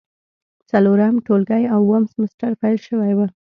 څلورم ټولګی او اووم سمستر پیل شوی و.